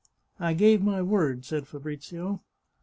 " I gave my word," said Fabrizio.